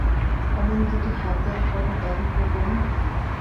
অমন-দুটি হাতের পরে দাবি করবে না?